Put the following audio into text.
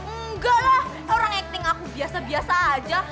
enggaklah orang acting aku biasa biasa aja